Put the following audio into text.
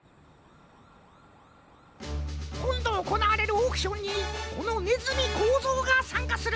こんどおこなわれるオークションにこのねずみこうぞうがさんかする。